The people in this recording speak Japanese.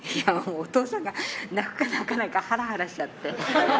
お父さんが泣くか泣かないかハラハラしちゃって。